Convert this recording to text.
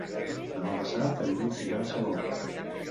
Demà passat en Lluc irà a Salou.